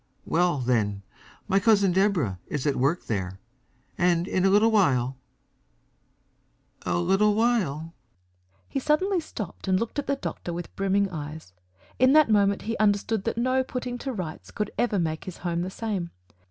Well, then, my Cousin Deborah is at work there, and in a little while a little while " He suddenly stopped and looked at the doctor with brimming eyes. In that moment he understood that no putting to rights could ever make his home the same.